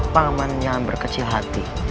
paman yang berkecil hati